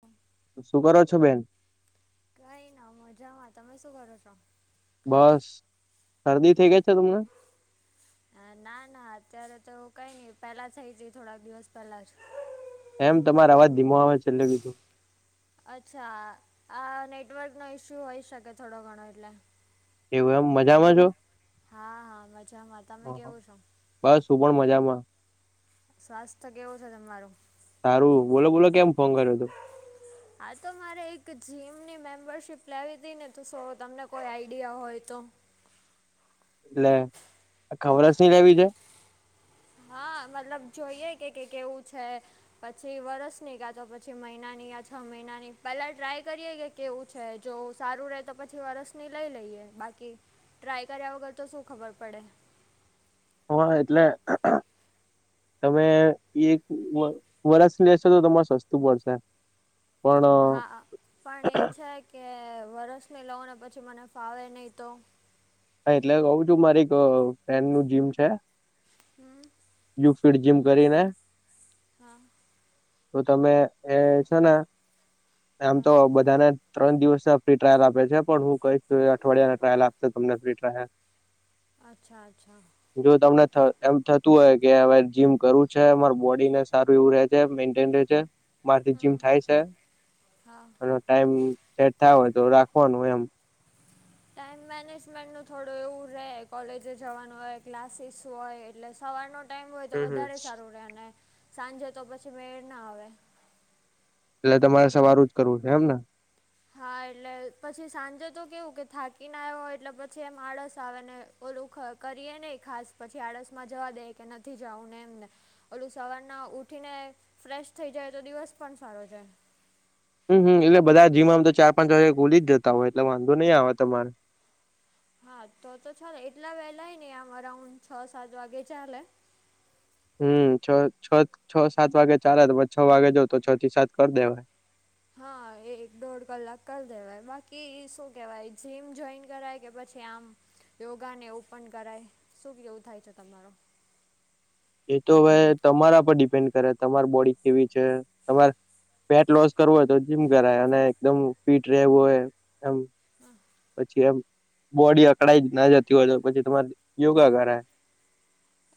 હમ શું કરો છો બહેન કઈના મજામાં તમે શું કરો છો બસ શરદી થઈ ગઈ છે તમને હ ના ના અત્યારે તો એવું કઈ નઈ પેલા થઇ હતી થોડાક દિવસ પહેલાજ એમ તમારા અવાજ ધીમો આવે છે. અચ્છા આ નેટવર્કનો ઈસ્યુ હોઈ શકે થોડો ઘણો એટલે એવું એમ મજામાં છો હા હા મજામાં તમે હા. કેવું છો. બસ હું પણ મજામાં સ્વાસ્થ્ય કેવું છે તમારું? સારું બોલો બોલો કેમ ફોન કર્યો તો? હા તો મારે એક જીમની મેમ્બરશીપ લેવી હતી ને તો શો તમને કોઈ આઈડિયા હોય તો. એટલે આખા વરસની લેવી છે. હા, મતલબ જોઈએ કે કે કેવું છે. પછી વરસની કા તો પછી મહિનાની યા છ મહિનાની પહેલાં ટ્રાય કરીએ કે કેવું છે જો સારું રેતો પછી વરસની લઈ લઈએ બાકી. ટ્રાય કર્યા વગરતો શું ખબર પડે. હ એટલે. તમે એક વ વરષ ની લેશો તો તમારે સસ્તું પડશે. પણ હા પણ એ છે કે વરસની લઉને પછી મને ફાવે નહી તો. હા એટલે કહું છું મારી ક ફ્રેન્ડનું જીમ છે. હમ્મ. યુ ફીડ જીમ કરીને. હા. તો તમે એ છોને આમ હા તો બધાને ત્રણ દિવસ ફ્રી ટ્રાયલ આપે છે પણ હું કહીશ તો એ અઠવાડિયાના ટ્રાયલ આપશે તમને ફ્રી ટ્રાયલ. અચ્છા અચ્છા. જો તમને થ એમ થતું હોય કે હવે જીમ કરવું છે અમાર બોડીને સારું એવું રહે. મેન્ટન રે છે. મારથી જીમ હમ થાય છે હા અને ટાઈમ સેટ થાય એવો હોય તો રાખવાનો એમ. [unintelligible] ટાઈમ મેનેજમેન્ટનું થોડું એવું રહે, કોલેજે જવાનું હોય ક્લાસીસ હોય એટલે સવારનો ટાઈમ હોય તો હમ હમ વધારે એટલે સારું રહે અને સાંજે તો પછી મેળ ના આવે. એટલે તમારે સવારૂ જ કરવું છે એમ ને. હા એટલે પછી સાંજે તો કેવું કે થાકી ને આવ્યા હોય એટલે પછી એમ આળસ આવે ને. ઓલું ક કરીએ નહી ખાસ પછી આળસ માં જાવા દઇએ કે નથી જવું ને એમને ઓલું સવારના ઉઠીને ફ્રેશ થઈ જાય તો દિવસ પણ સારો જાય. હમ્મ હમ્મ એટલે બધા જીમ આમ તો ચાર પાંચ વાગે ખુલી જતા હોય એટલે વાંધો નહી આવે તમારે. હા તો તો ચાલ એટલા વેલાય નહી આમ અરાઉન્ડ છ સાત વાગે ચાલે. હમ્મ છ છ છ સાત વાગે ચાલે તો પછ છ વાગે જઉ તો છ થી સાત ભરી દેવાય. હા એક દોઢ કલાક કરી દેવાય બાકી શું કેવાય જીમ જોઈન કરાય કે પછી કે આમ યોગાને ઓપન કરાય શું કેવું થાય છે તમારો. એ તો હવે તમારા પર ડિપેન્ડ કરે તમાર બોડી કેવી છે તમાર વેટ લોસ કરવું હોય તો જીમ કરાય અને એકદમ ફિટ રહેવું હોય એમ હા પછી એમ. બોડી અકળાઈ ના જતી હોય તો પછી તમારે યોગા કરાય.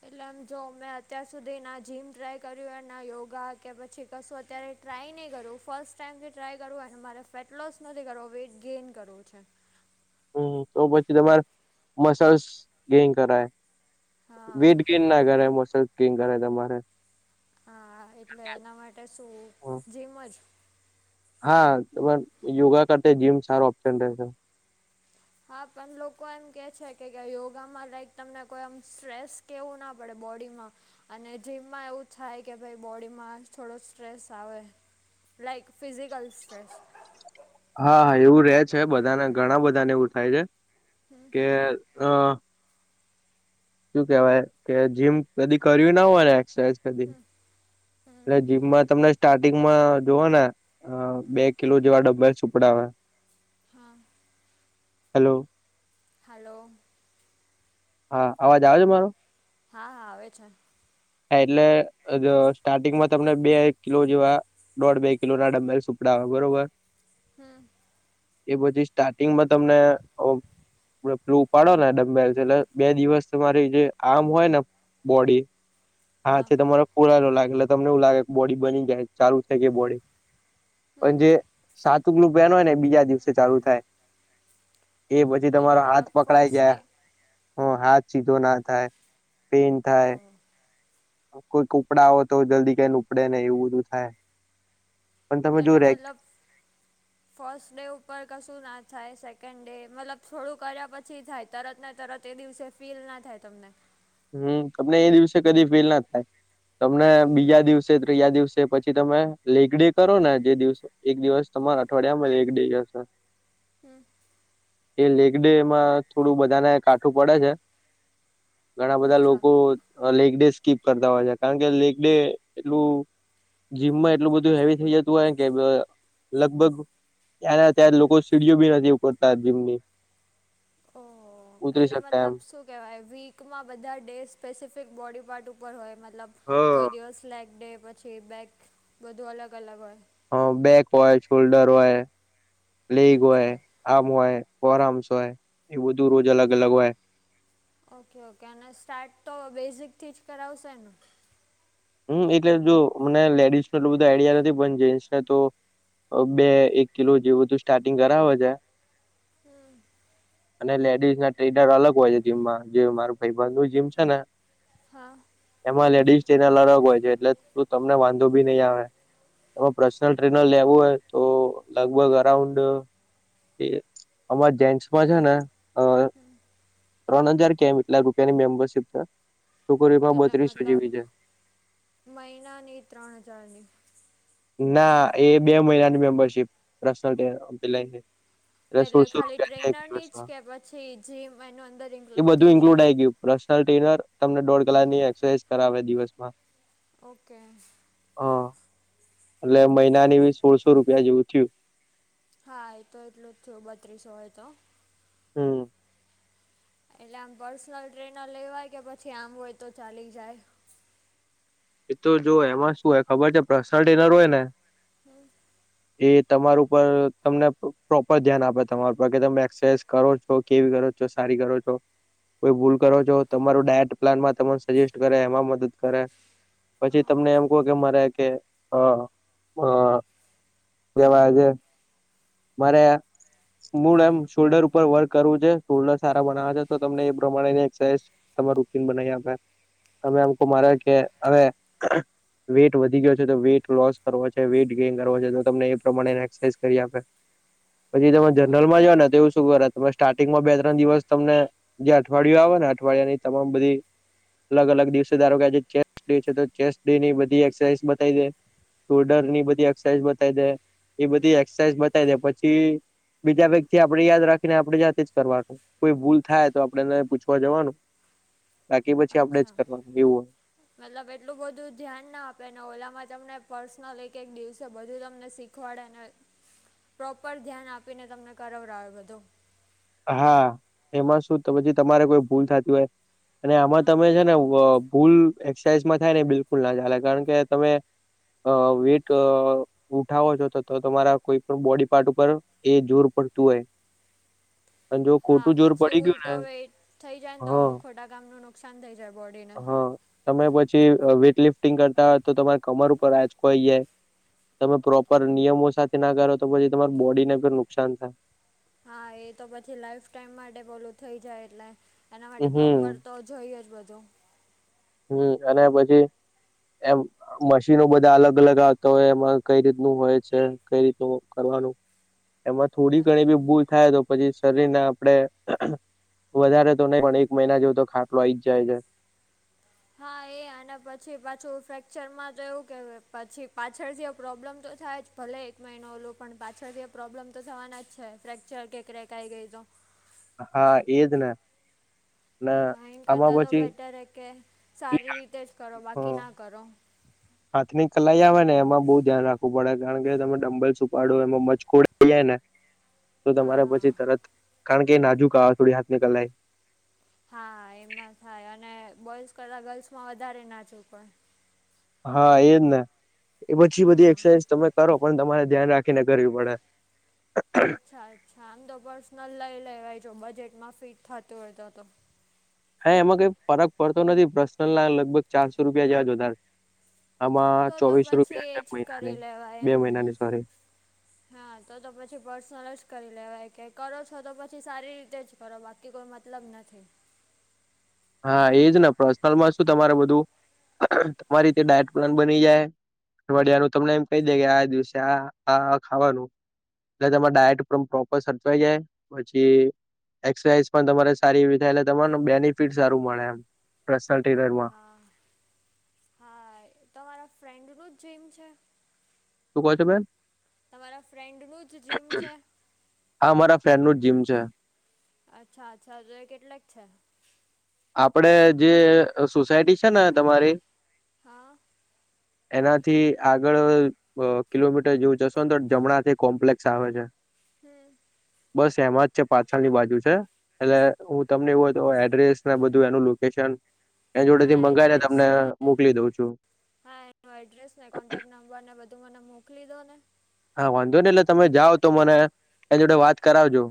એટલે આમ જો મેં અત્યાર સુધી ના જીમ ટ્રાય કર્યું ના યોગા કે પછી કશું અત્યારે ટ્રાય નહીં કરવું ફર્સ્ટ ટાઈમથી ટ્રાય કરવું એ મારે ફેટ લોસ નથી કરવો વેઇટ ગેઇન કરવું છે. હમ્મ તો પછી તમારે મસલ્સ ગેન કરાય. હા વેટ ગેઇન ના કરાય મસલ્સ ગેન કરાય તમારે હા એટલે એના માટે શું જીમ જ. હા [unintelligible] યોગા કરતા જીમ સારો ઓપ્શન રહેશે. હા પણ લોકો એમ કે છે કે યોગામાં લાઈક તમને કોઈ આમ સ્ટ્રેસ કેવું ના પડે બોડી માં. અને જીમમાં એવું થાય કે, ભાઈ બોડીમાં થોડો સ્ટ્રેસ આવે. Like physical stress. હા, હા, એવું રે છે, બધાના ઘણા બધાને એવું થાય છે કે, અ સુું કેવાય કે, જીમ કદી કર્યું ના હોય, એક્સરસાઝ કદી. હમ હમ એટલે જીમમાં તમને સ્ટાર્ટિંગમાં જોવાના. અ બે કિલો જેવા ડબ્બર સુપડવે. હા. હેલો. હાલો. હા, અવાજ આવે છે, મારો? હા, હા, આવે છે. એટલે સ્ટાર્ટિંગમાં તમને બે એક કિલો જેવા. દોઢ બે કિલો ના, ડમ્બર સુપડા બરોબર. હા. એ પછી સ્ટાર્ટિંગમાં તમને પ્લું ઉપાડો ને, ડલ એટલે બે દિવસ તમારી જે આમ હોય ને, બોડી. હા છે, તમારો પુરાયલો લાગે એટલે તમને એવુંગે કે, બોડી બની જાય, ચાલુ થાય કે બોડી. પણ હમ જે સાતગલું પહેન હોય ને, બીજા દિવસે ચાલુ થાય. એ પછી એટલે તમારો હાથ મતલબ પકડાય ફર્સ્ટ જયા. ડે હ, હાથ સીધો ના થાય, પેન થાય. ઓહ કોઈક ઉપડા હો તો, જલ્દી કઈને ઉપડે નહી એવું બધું થાય. પણ તમે જો પેલા રે મતલબ. ફર્સ્ટ ડે ઉપર કશું ના થાય, સેકન્ડ ડે મતલબ થોડું કર્યા પછી થાય, તરત ને તરત. તે દિવસે ફીલ ના થાય તમને. હમ્મ, તમને એ દિવસે કદી ફેલ ના થાય, તમને બીજા દિવસે ત્રીજા દિવસે પછી તમે લેકડે કરો ને, જે દિવસે એક દિવસ તમારા અઠવાડિયામાં થઇ જશે. હમ એ લેગડે એમાં થોડું બધાને કાઠું પડે છે. ઘણા બધા અચ્છા લોકો લેગ ડે સ્કીપ કરતા હોય છે, કારણ કે લેગ ડે એટલું જીમમાં એટલું બધું હેવી થઈ જતું હોય કે, લગભગ એના ત્યાં લોકો સીડીઓ બી નથી કરતા, જીમની. ઓ ઉતરી એટલે શકતા મતલબ એમ શું કેહેવાય, વીક માં બધા ડે, સ્પેસિફિક બોડી પાર્ટ ઉપર હોય, મતલબ હા કોઈ દિવસ લેક ડે છે, બેગ બધું અલગ-અલગ હોય. હમ્મ, બેક હોય, શોલ્ડર હોય, લેગ હોય. અચ્છા. આર્મ હોય, કોરામસ હોય એ, બધું રોજ અલગ-અલગ હોય. ઓકે, ઓકે અને સ્ટાર્ટ તો બેઝિકથી જ કરાવશે ને? હમ્મ, એટલે જો મને લેડીઝનું એટલું બધું આઈડિયા નથી, પણ જેન્ટસને તો બે-એક કિલો જેવુંથી સ્ટાર્ટિંગ કરાવે છે. હમ્મ. અને લેડીઝના ટ્રેનર અલગ હોય છે, જીમમાં જે મારું ભાઈબંધ જીમ છે ને. હા. એમાં લેડીઝ ચેનલ અલગ હોય છે, એટલે તું તમને વાંધો બી નહી આવે. એમાં પર્સનલ હા. ટ્રેનર લેવું હોય તો, લગભગ અરાઉન્ડ એ અમારા જેન્ટ્સમાં છે ને અ ત્રણ હજાર કેમ એટલા રૂપિયાની મેમ્બરશીપ છે, ટુકડીમાં એટલે બત્રીસો મતલબ જેવી છે. મહિનાની ત્રણ હજારની ના, એ બે મહિનાની મેમ્બરશીપ પર્નલ એટલે ખાલી ટ્રેનરની જ કે પછી જીમ એનું અંદર ઇન્ક્લુડ થઈ જાય. પર્શનલ ટ્રેઈનર તમને દોઢ હા. કલાકની એસરસાઝ કરાવે દિવસમાં. ઓકે. હા. એટલે મહિનાની સોળસો રૂપિયા જેવું થયું. હા, એ તો એટલું જ થયું બત્રીસો હોય તો. હમ્મ. એટલે આમ પર્સનલ ટ્રેનર લેવાય કે પછી આમ હોય, તો ચાલી જાય? એ તો જો એમાં શું હોય ખબર છે પર્સનલ ટ્રેઈનર હોય ને હમ્મ. એ તમાર ઉપર તમને પ્રોપર ધ્યાન આપે, તમારા પર કે તમે એક્સરસાઇઝ કરો છ છો, કેવી કરો છો સારી કરો છો. કોઈ ભૂલ કરો છો, તમારું ડાયટ પ્લાનમાં તમને સજેસ્ટ કરે એમાં મદદ કરે. પછી હા તમને એમ કહો કે મારે કે મારે મૂળ એમ શોલ્ડર ઉપર વર્ક કરવું છે. શોલ્ડર સારા બનાવે છે, તો તમને એ પ્રમાણે એક્સસાઈઝ તમારું રૂટીન બનાવી આપે. તમે આમ કહો માર કે હવે વેઇટ વધી ગયો છે, તો વેઇટ લોસ કરવો છે વેટ ગેઈન કરવો છે તો તમને એ પ્રમાણે એક્સરસાઇઝ કરી આપે. પછી તમે જર્નલમાં જુઓ અચ્છા ને તો એ શું કરે તમે સ્ટાર્ટિંગમાં બે-ત્રણ દિવસ તમને જે અઠવાડિયું આવે ને અઠવાડિયાની તમામ બધી અલગ-અલગ દિવસે ધારો કે આજે ચેસ ડે છે તો ચેસ ડેની બધી એક્સરસાઇઝ બતાવી દે. હમ શોલ્ડરની બધી એક્સરસાઇઝ બતાવી દે એ હમ બધી એક્સરસાઇઝ બતાવી દે. પછી બીજા વ્યક્તિ આપણે યાદ રાખીને આપણે જાતે જ કરવાનું. કોઈ ભૂલ થાય તો આપણે પૂછવા જવાનું બાકી પછી આપણે અચ્છા જ કરવાનું એવું હોય. મતલબ એટલું બધું ધ્યાન ના આપે અને ઓલામાં તમને પર્સનલ એક-એક દિવસે બધું તમને શીખ અઠવાડે ને પ્રોપર ધ્યાન આપીને તમને કરાવડાવે બધું. હા એમાં શુંત તમારે કોઈ ભૂલ થતી હોય. અને આમાં હા તમે છે ને ભૂલ એક્રસાઇઝમાં થાય ને બિલકુલ ના ચાલે કારણ કે તમે અ વીટ ઉઠાવો છો તો તો તમારા કોઈ પણ બોડી પાર્ટ ઉપર એ જોર પડતું હોય. અને જો હા ખોટું જોર પછી પડી ગયું ઉલટો ને વેઇટ થઈ જાય ને તો હા ખોટા કામ ન નુકસાન થઇ જાય બોડીને હા તમે પછી વેઇટ લિફ્ટિંગ કરતા હોય તો તમારા કમર ઉપર આંચકો આવીઈ જાય. તમે પ્રોપર નિયમો સાથે ના કરો તો પછી તમાર બોડીને કો નુકસાન થાય. હા એ તો પછી લાઈફ ટાઈમ માટે બોલું થઈ જાય એટલે એના માટે હમ પ્રોપર તો જોઈએ જ બધો હમ અને પછી એમ મશીનો બધા અલગ અલગ આવતા હોય એમાં કઈ રીતનું હોય છે કઈ રીતનું કરવાનું. એમાં થોડી ઘણી બી ભૂલ થાય તો પછી શરીર ને આપડે વધારે તો નહી પણ એક મહિના જેવ તો ખાટલો આઈ જ જાય છે. હા એ અને પછી પાછું ફ્રેક્ચરમાં તો એવું કેય પછી પાછળ જે પ્રોબ્લેમ તો થાય જ ભલે એક મહિનો ઓલું પણ પાછળથી પ્રોબ્લેમ તો થવાના જ છે ફ્રેક્ચર કે ક્રેક આવી ગઈ તો હા એજ ને ને હા એ આમાં કરતા તો પછી બેટર હે કે સારી રીતે જ કરો, બાકી હમ ના કરો. હાથની કલાઈ આવે ને એમાં બઉુ ધ્યાન રાખવું પડે કારણ કે તમે ડંબલ છપાડો એમાં મજખડા જાય ને હ તો તમારે પછી તરત કારણ કે નાજુક આવા થોડી હાથ ની કલાઈ. હા એમાં થાય અને બોઇસ કરતા ગર્લ્સમાં વધારે નાજુક હોય. હા એજ ને એ પછી બધી હા એક્સરસાઇઝ તમે કરો પણ તમારે ધ્યાન રાખીને કરવી પડે. અચ્છા અચ્છા આમ તો પર્સનલ લઈ લેવાય જો બજેટમાં ફિટ થતું હોય તો તો. હા એમાં કઈ ફરક પડતો નથી પ્રશ્નલ ના લગભગ ચારસો રૂપિયા જેવા જ વધારે આમાં તો તો ચોવીસો પછી રૂપિયા એ છે જ મહિનાની, કરી લેવાય બે એમને મહિનાની સોરી. હા તો તો પછી પર્સનલ જ કરી લેવાય કે કરો છો તો પછી સારી રીતે જ કરો બાકી કોઈ મતલબ નથી. હા એજ ને પર્સનલમાં શું તમારું બધું તમારી રિતે ડાયટ પ્લાન બની જાય અઠવાડિયાનું તમને એમ કહી દે કે આ દિવસે આ આ ખાવાનું. એટલે તમારા ડાયટ પણ પ્રોપર સચવાઈ જાય પછી એરસાઝ પણ તમારી સારી એવી થાય એટલે તમા બેનિફિટ સારું મળે એમ પર્સનલ ટ્રેનરમાં. હા, હા તમારા ફ્રેન્ડનુ જ જીમ છે? શું કહો છો બેન તમારા ફ્રેન્ડનું જ જીમ છે. ફેનનું જ જીમ છે? અચ્છા અચ્છા તો એ કેટલાક છે? આપડે જે સોસાયટી છે ને તમારી? હા. એનાથી આગળ બ કિલોમીટર જેવું જશો ને તો જમણાથી કોમ્પલેસ આવે છે. હમ્મ. બસ એમાં જ છે પાછળ ની બાજુ છે એટલે હું તમને એવું હતો એડ્રેસ ને બધું એનું લોકેશન એન જોડે હા થી મંગાવીને એડ્રેસ તમને ને મોકલી દઉં છું. હા એનો એડ્રેસ ને કોન્ટેક્ટ નંબર ને બધું મને મોકલી દો ને. હા વાંધો ને એટલે તમે જાઓ તો મને એ જોડે વાત કરાવજો.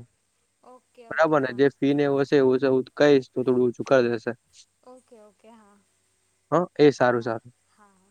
ઓકે ઓકે બરાબર ને હા જે ફી ને એ હા હશે એવું હ કહીશ તો થોડું ઓછું કર દેશે. ઓકે ઓકે હા, હા એ સારું હા સારું. હા.